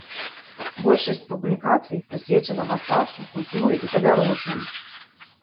Большасць публікацый прысвечана мастацтву, культуры і падарожжам.